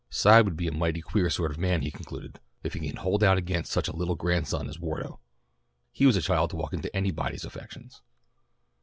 Cy would be a mighty queer sort of man, he concluded, if he could hold out against such a little grandson as Wardo. He was a child to walk into anybody's affections.